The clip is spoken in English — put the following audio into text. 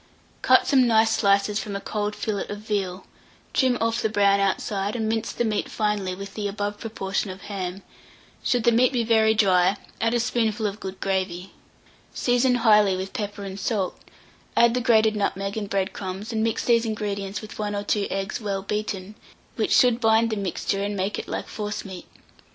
Cut some nice slices from a cold fillet of veal, trim off the brown outside, and mince the meat finely with the above proportion of ham: should the meat be very dry, add a spoonful of good gravy. Season highly with pepper and salt, add the grated nutmeg and bread crumbs, and mix these ingredients with 1 or 2 eggs well beaten, which should bind the mixture and make it like forcemeat.